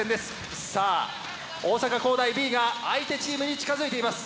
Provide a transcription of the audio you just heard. さあ大阪公大Ｂが相手チームに近づいています。